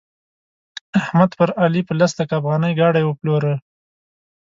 احمد پر علي په لس لکه افغانۍ ګاډي وپلوره.